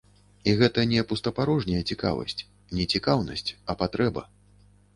І гэта не пустапарожняя цікавасць, не цікаўнасць, а патрэба.